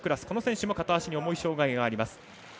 この選手も片足に重い障がいがあります。